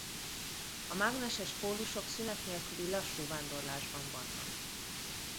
A mágneses pólusok szünet nélküli lassú vándorlásban vannak.